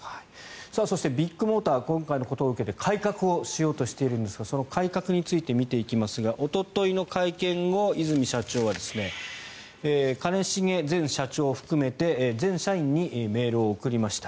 そして、ビッグモーター今回のことを受けて改革をしようとしているんですがその改革について見ていきますがおとといの会見後、和泉社長は兼重前社長を含めて全社員にメールを送りました。